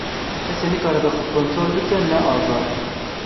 Kesê nikaribe xwe kontrol bike, ne azad e.